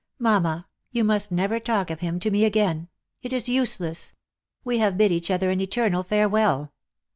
Mamma, you must never talk of him to m£ again. It is useless. We have bid each other an eternal farewell.